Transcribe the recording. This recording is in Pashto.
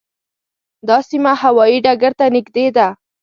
دا سیمه هوايي ډګر ته نږدې ده.